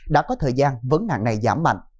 đã có thời gian vấn nạn này giảm mạnh